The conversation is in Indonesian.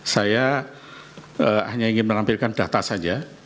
saya hanya ingin menampilkan data saja